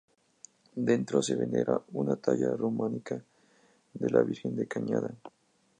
Dentro se venera una talla románica de la Virgen de la Cañada.